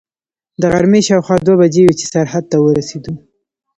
د غرمې شاوخوا دوې بجې وې چې سرحد ته ورسېدو.